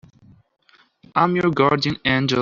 I'm your guardian angel.